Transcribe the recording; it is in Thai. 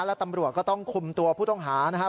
และตำรวจก็ต้องคุมตัวผู้ต้องหานะครับ